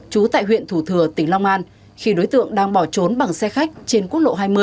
trú tại huyện thủ thừa tỉnh long an khi đối tượng đang bỏ trốn bằng xe khách trên quốc lộ hai mươi